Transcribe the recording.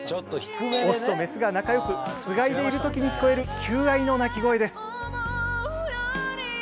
オスとメスが仲よくつがいでいる時に聞こえる求愛の鳴き声です。